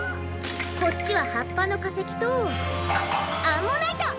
こっちははっぱのかせきとアンモナイト！